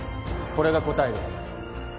これが答えです